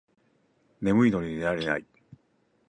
眠いのに寝れない